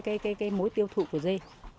cái mối tiêu thụ của dê